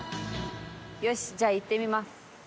よしじゃあ行ってみます。